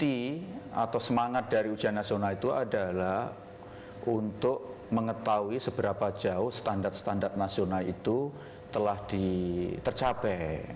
miti atau semangat dari ujian nasional itu adalah untuk mengetahui seberapa jauh standar standar nasional itu telah tercapai